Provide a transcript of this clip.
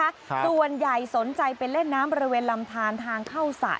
ส่วนใหญ่สนใจไปเล่นน้ำบริเวณลำทานทางเข้าสระ